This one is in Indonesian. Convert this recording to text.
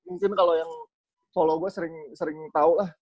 mungkin kalau yang solo gue sering tau lah